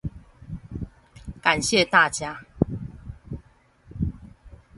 感謝大家